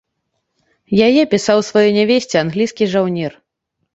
Яе пісаў сваёй нявесце англійскі жаўнер.